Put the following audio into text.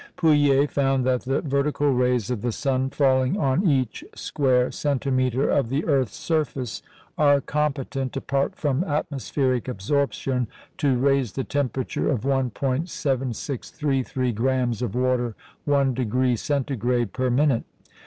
" Pouillet found that the vertical rays of the sun falling on each square centimetre of the earth's surface are competent (apart from atmospheric absorption) to raise the temperature of 1·7633 grammes of water one degree Centigrade per minute.